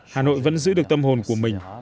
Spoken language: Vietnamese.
hà nội vẫn giữ được tâm hồn của mình